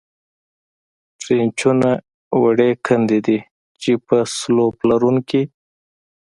ټرینچونه وړې کندې دي، چې په سلوپ لرونکې.